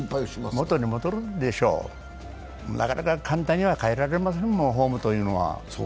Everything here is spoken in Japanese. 元に戻るんでしょう、なかなか簡単には変えられませんもん、フォームというのは。